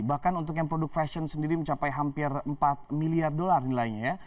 bahkan untuk yang produk fashion sendiri mencapai hampir empat miliar dolar nilainya ya